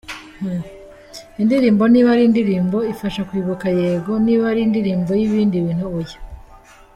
Indirimbo niba ari indirimbo ifasha kwibuka yego, niba ari indirimbo y’ibindi bintu oya.